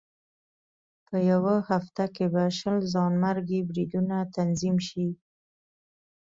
په یوه هفته کې به شل ځانمرګي بریدونه تنظیم شي.